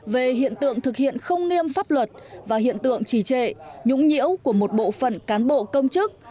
về hiện tượng thực hiện không nghiêm pháp luật và hiện tượng trì trệ nhũng nhiễu của một bộ phận cán bộ công chức